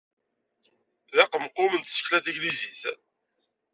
D aqemqum n tsekla taglizit.